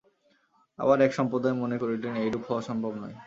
আবার এক সম্প্রদায় মনে করিলেন, এইরূপ হওয়া সম্ভব নয়।